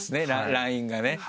ラインがね。